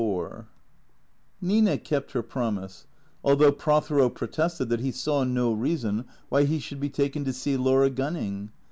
XXIV NINA kept her promise, although Prothero protested that he saw no reason why he should be taken to see Laura Gunning.